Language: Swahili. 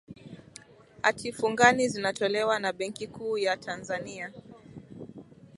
hati fungani zinatolewa na benki kuu ya tanzania